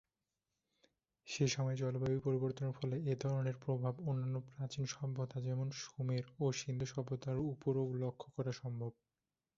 সে' সময়ে জলবায়ু পরিবর্তনের ফলে এইধরনের প্রভাব অন্যান্য প্রাচীন সভ্যতা, যেমন সুমের ও সিন্ধু সভ্যতার উপরও লক্ষ করা সম্ভব।